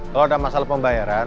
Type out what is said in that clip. kalau ada masalah pembayaran